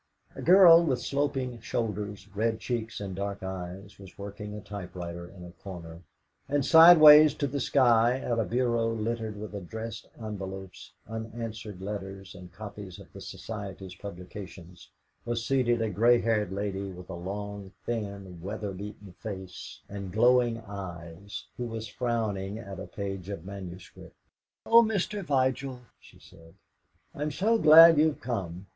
A girl with sloping shoulders, red cheeks, and dark eyes, was working a typewriter in a corner, and sideways to the sky at a bureau littered with addressed envelopes, unanswered letters, and copies of the Society's publications, was seated a grey haired lady with a long, thin, weatherbeaten face and glowing eyes, who was frowning at a page of manuscript. "Oh, Mr. Vigil," she said, "I'm so glad you've come.